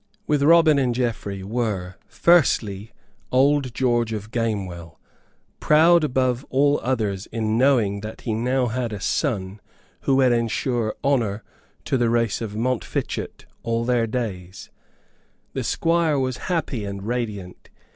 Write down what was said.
With Robin and Geoffrey were, firstly, old George of Gamewell, proud above all others in knowing that he had now a son who would ensure honor to the race of Montfichet all their days. The Squire was happy and radiant.